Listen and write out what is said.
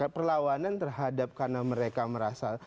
perlawanan terhadap karena mereka merasa